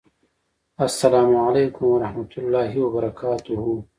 السلام علیکم ورحمة الله وبرکاته!